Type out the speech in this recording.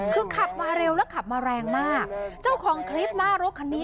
คือขับมาเร็วแล้วขับมาแรงมากเจ้าของคลิปหน้ารถคันนี้